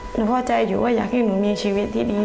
เข้าใจอยู่ว่าอยากให้หนูมีชีวิตที่ดี